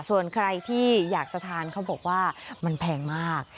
ส่วนใครที่อยากจะทานเขาบอกว่ามันแพงมาก